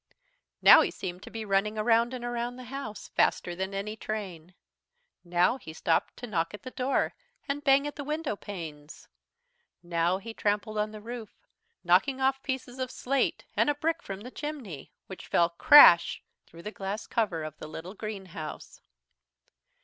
Now he seemed to be running around and around the house, faster than any train. Now he stopped to knock at the door and bang at the window panes. Now he trampled on the roof, knocking off pieces of slate and a brick from the chimney, which fell, crash, through the glass cover of the little greenhouse.